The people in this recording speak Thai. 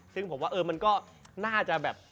ซึ่งผมว่าเออมันก็น่าจะแบบ